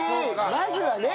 まずはね。